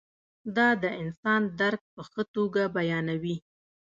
دا د انسان درک په ښه توګه بیانوي.